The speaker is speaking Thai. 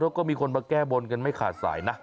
เราก็มีคนมาแก้บนกันไม่ขาดใสนะ